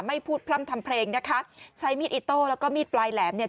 ไม่พูดพร่ำทำเพลงนะคะใช้มีดอิโต้แล้วก็มีดปลายแหลมเนี่ย